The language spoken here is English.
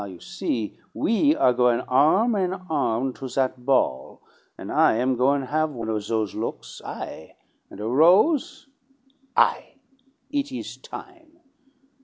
you see? we are goin' arm in arm to that ball, and I am goin' have one of those looks, I! And a rose! I! It is time.